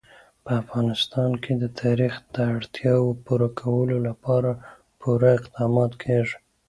په افغانستان کې د تاریخ د اړتیاوو پوره کولو لپاره پوره اقدامات کېږي.